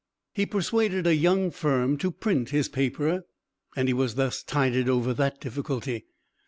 He persuaded a young firm to print his paper, and he was thus tided over that difficulty.